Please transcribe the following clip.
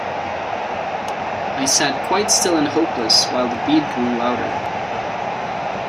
I sat quite still and hopeless while the beat grew louder.